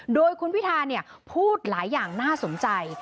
โดยคุณพิธาพูดหลายอย่างน่าสนใจ